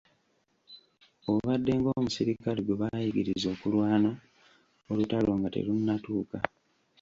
Obadde ng'omuserikale gwe baayigiriza okulwana, olutalo nga terunnatuuka.